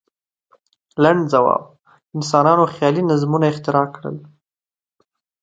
لنډ ځواب: انسانانو خیالي نظمونه اختراع کړل.